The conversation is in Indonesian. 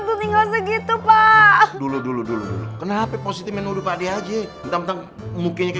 tuh tinggal segitu pak dulu dulu dulu kenapa posisi menurut adik aja tentang mungkin ke